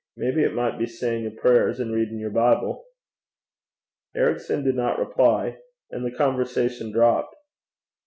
Maybe it micht be sayin' yer prayers and readin' yer Bible.' Ericson did not reply, and the conversation dropped.